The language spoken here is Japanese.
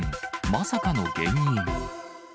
まさかの原因。